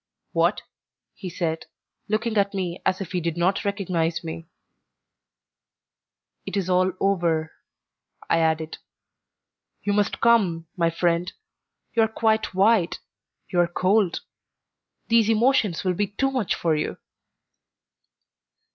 "What?" he said, looking at me as if he did not recognise me. "It is all over," I added. "You must come, my friend; you are quite white; you are cold. These emotions will be too much for you."